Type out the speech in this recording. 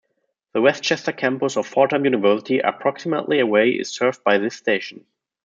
The Westchester campus of Fordham University, approximately away, is served by this station.